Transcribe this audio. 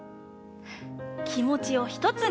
きもちをひとつに。